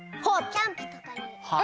キャンプとかに。